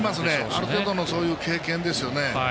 ある程度の経験ですよね。